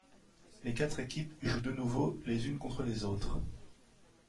Les quatre équipes jouent de nouveau les unes contre les autres.